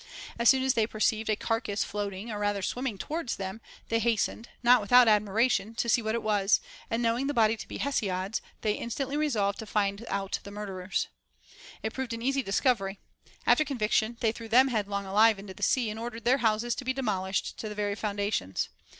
As soon as they perceived a carcass floating or rather swimming towards them, they hastened, not without admiration, to see what it was ; and knowing the body to be Hesiod's, they instantly resolved to find out the murderers. It proved an easy discovery. After conviction they threw them headlong alive into the sea, and ordered their houses to be demolished to the very foundations.